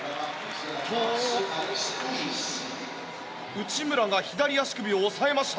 内村が左足首を押さえました。